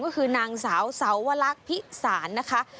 ก็คือนางสาวสาวลักษณ์พิสารนะคะ